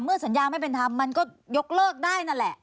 สัญญาไม่เป็นธรรมมันก็ยกเลิกได้นั่นแหละ